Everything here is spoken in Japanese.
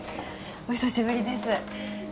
お久しぶりです。